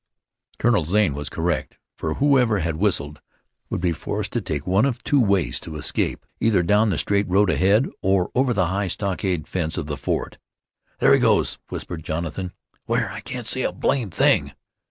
Colonel Zane was correct, for whoever had whistled would be forced to take one of two ways of escape; either down the straight road ahead, or over the high stockade fence of the fort. "There he goes," whispered Jonathan. "Where? I can't see a blamed thing."